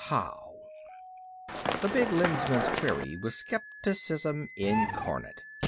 "How?" The big Lensman's query was skepticism incarnate.